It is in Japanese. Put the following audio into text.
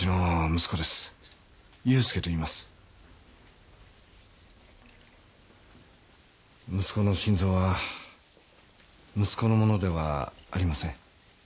息子の心臓は息子のものではありません。